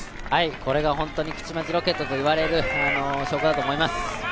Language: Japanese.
これが本当に口町ロケットと言われる証拠だと思います。